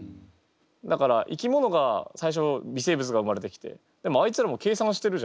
だから生き物が最初微生物が生まれてきてでもあいつらも計算してるじゃん？